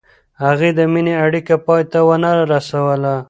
هغې د مینې اړیکه پای ته ونه رسوله.